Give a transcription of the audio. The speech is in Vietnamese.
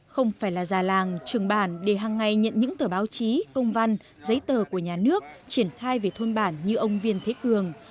không phải là già làng trường bản để hàng ngày nhận những tờ báo chí công văn giấy tờ của nhà nước triển khai về thôn bản như ông viên thế cường